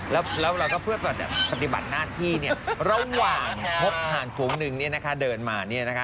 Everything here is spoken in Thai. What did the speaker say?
แล้วเราก็เพื่อปฏิบัติหน้าที่ระหว่างพบหานโขงหนึ่งเดินมา